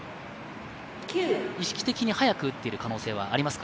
意識的に早く撃っている可能性はありますか？